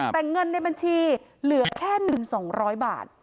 แต่เงินในบัญชีเหลือแค่๑๒๐๐บาท